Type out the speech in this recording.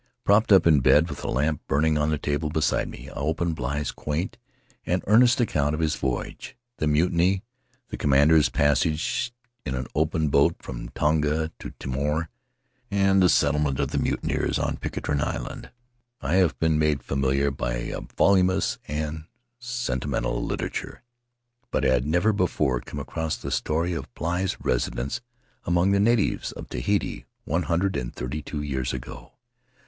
Propped up in bed, with a lamp burning on the table beside me, I opened Bligh's quaint and earnest account of his voyage. The mutiny, the commander's passage in an open boat from Tonga to Timor, and the settle ment of the mutineers on Pitcairn Island have been made familiar by a voluminous and sentimental litera ture, but I had never before come across the story of Bligh's residence among the natives of Tahiti, one hundred and thirty two years ago.